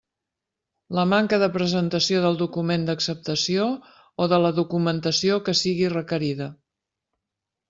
La manca de presentació del document d'acceptació o de la documentació que sigui requerida.